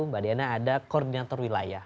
mbak diana ada koordinator wilayah